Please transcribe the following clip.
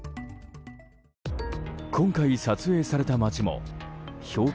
今回、撮影された町も標高